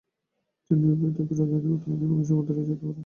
তিনি প্রুধোঁকে রাজনৈতিক অর্থনীতির বিজ্ঞানসম্মত রচয়িতা বলে উল্লেখ করেন।